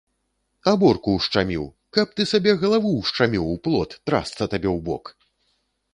Аборку ўшчаміў, каб ты сабе галаву ўшчаміў у плот, трасца табе ў бок!